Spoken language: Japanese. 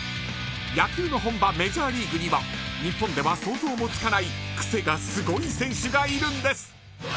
野球の本場、メジャーリーグには日本では想像もつかないクセがすごい選手がいるんです。